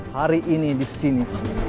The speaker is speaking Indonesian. hari ini disini